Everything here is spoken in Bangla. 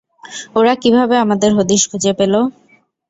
ওরা কীভাবে আমাদের হদিস খুঁজে পেল?